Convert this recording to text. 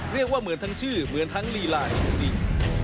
เรียกว่าเหมือนทั้งชื่อเหมือนทั้งลีลาจริง